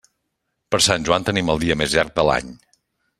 Per Sant Joan tenim el dia més llarg de l'any.